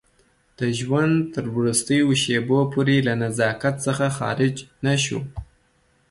د ژوند تر وروستیو شېبو پورې له نزاکت څخه خارج نه شو.